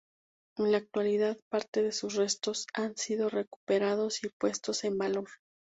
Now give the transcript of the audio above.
En la actualidad parte de sus restos han sido recuperados y puestos en valor.